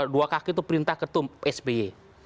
dua kaki itu perintah ketum sby